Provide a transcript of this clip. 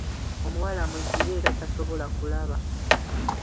Omuwala muzibe era tasobola kulaba.